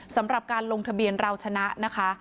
สำหรับการลงทะเบียนเราชนะนะคะ